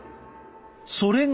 それが！